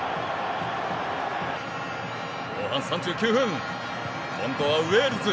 後半３９分、今度はウェールズ。